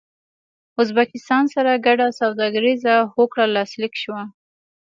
ازبکستان سره ګډه سوداګريزه هوکړه لاسلیک شوه